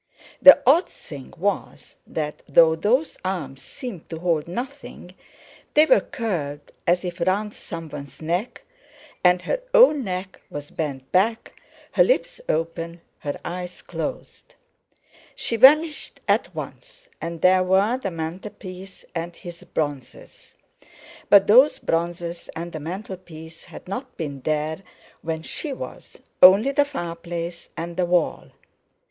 The odd thing was that, though those arms seemed to hold nothing, they were curved as if round someone's neck, and her own neck was bent back, her lips open, her eyes closed. She vanished at once, and there were the mantelpiece and his bronzes. But those bronzes and the mantelpiece had not been there when she was, only the fireplace and the wall!